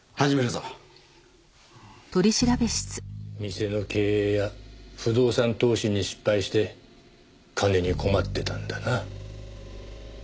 店の経営や不動産投資に失敗して金に困ってたんだな。